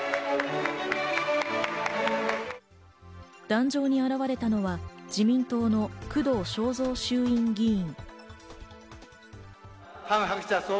壇上に現れたのは自民党の工藤彰三衆院議員。